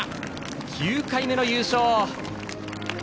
９回目の優勝。